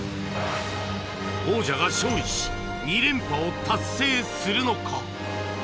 王者が勝利し２連覇を達成するのか？